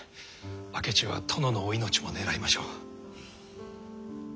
明智は殿のお命も狙いましょう。